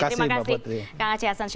terima kasih mbak putri